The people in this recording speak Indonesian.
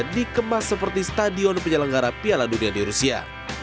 dikemas seperti stadion penyelenggara piala dunia di rusia